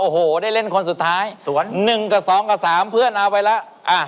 โอ้โหได้เล่นคนสุดท้ายสวน๑กับ๒กับ๓เพื่อนเอาไปแล้ว